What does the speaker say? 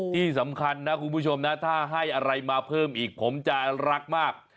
ที่สำคัญนะคุณผู้ชมนะถ้าให้อะไรมาเพิ่มอีกผมจะรักมาก